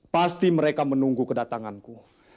pasti mereka menunggu kedatanganku